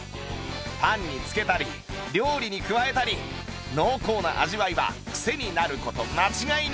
パンに付けたり料理に加えたり濃厚な味わいはクセになる事間違いなし！